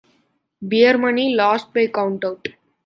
Beer Money lost by countout.